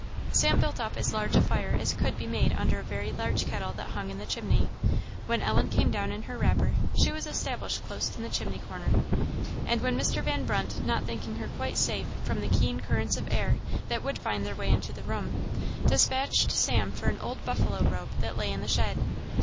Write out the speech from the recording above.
Sam built up as large a fire as could be made under a very large kettle that hung in the chimney. When Ellen came down in her wrapper, she was established close in the chimney corner; and when Mr. Van Brunt, not thinking her quite safe from the keen currents of air that would find their way into the room, despatched Sam for an old buffalo robe that lay in the shed.